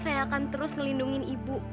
saya akan terus ngelindungi ibu